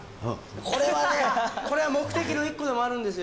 これはね、これは目的の一個でもあるんですよ。